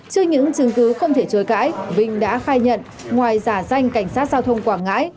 trước những chứng cứ không thể chối cãi vinh đã khai nhận ngoài giả danh cảnh sát giao thông quảng ngãi